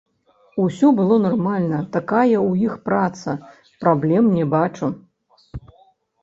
Усё было нармальна, такая ў іх праца, праблем не бачу.